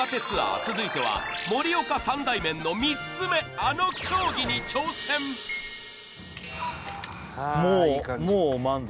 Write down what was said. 続いては盛岡三大麺の３つ目あの競技に挑戦あいい感じ